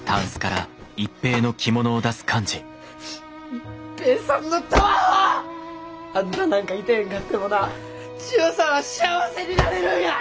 一平さんのどあほっ！あんたなんかいてへんかってもな千代さんは幸せになれるんや！